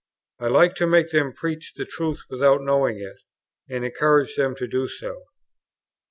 I liked to make them preach the truth without knowing it, and encouraged them to do so.